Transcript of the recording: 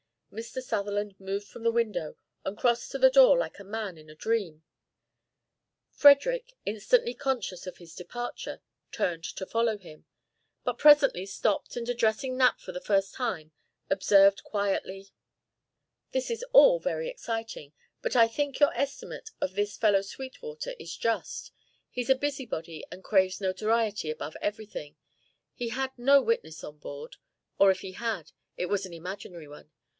Mr. Sutherland moved from the window and crossed to the door like a man in a dream. Frederick, instantly conscious of his departure, turned to follow him, but presently stopped and addressing Knapp for the first time, observed quietly: "This is all very exciting, but I think your estimate of this fellow Sweetwater is just. He's a busybody and craves notoriety above everything. He had no witness on board, or, if he had, it was an imaginary one.